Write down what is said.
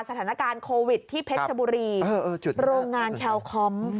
สถานการณ์โควิดในเพชรบุรีโรงงานแคลคอมส์ถูก